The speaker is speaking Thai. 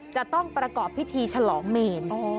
จะต้องประกอบพิธีฉลองเมน